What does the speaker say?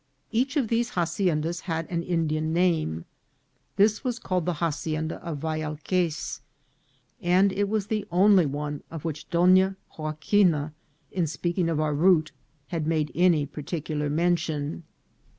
Each of these haciendas had an Indian name ; this was called the ha cienda of Vayalquex, and it was the only one of which Donna Joaquina, in speaking of our route, had made any particular mention.